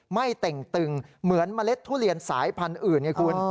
เต่งตึงเหมือนเมล็ดทุเรียนสายพันธุ์อื่นไงคุณ